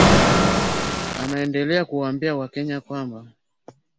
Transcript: Anaendelea kuwaambia wakenya kwamba